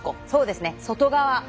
そうですね外側。